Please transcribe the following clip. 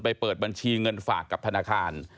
เปิดบัญชีเงินฝากกับธนาคาร